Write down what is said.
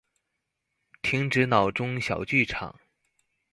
停止腦中小劇場